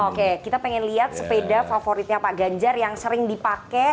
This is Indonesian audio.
oke kita pengen lihat sepeda favoritnya pak ganjar yang sering dipakai